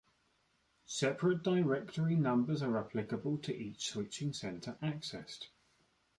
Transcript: Separate directory numbers are applicable to each switching center accessed.